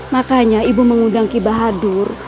makanya ibu mengundang kibahadur